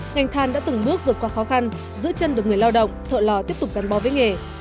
ngành than đã từng bước vượt qua khó khăn giữ chân được người lao động thợ lò tiếp tục gắn bó với nghề